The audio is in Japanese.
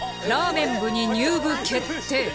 ラーメン部に入部決定！